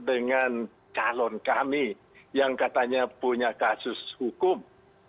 dengan calon kami yang katanya punya kasus hukum